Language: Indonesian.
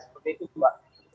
seperti itu juga